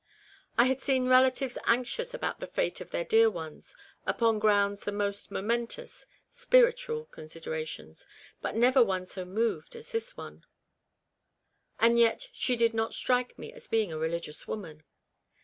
I had seen relatives anxious about the fate of their dear ones, upon grounds the most momentous spiritual considerations but never one so moved as this one ; and yet she did not strike me as being a religious woman.